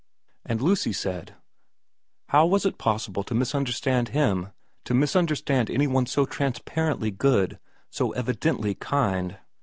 And Lucy said, How was it possible to misunderstand him, to misunderstand any one so transparently good, so evidently kind